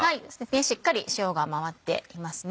しっかり塩が回っていますね。